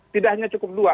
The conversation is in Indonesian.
tidak hanya cukup dua